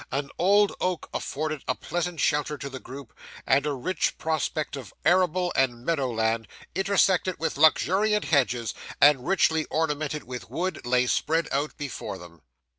An old oak afforded a pleasant shelter to the group, and a rich prospect of arable and meadow land, intersected with luxuriant hedges, and richly ornamented with wood, lay spread out before them.